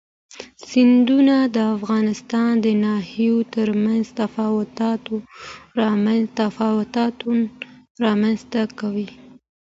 سیندونه د افغانستان د ناحیو ترمنځ تفاوتونه رامنځ ته کوي.